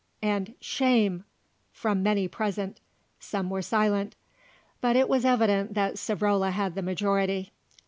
and "Shame!" from many present. Some were silent; but it was evident that Savrola had the majority.